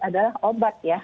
adalah obat ya